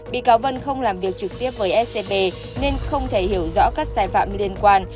bị cáo vân không làm việc trực tiếp với scb nên không thể hiểu rõ các sai phạm liên quan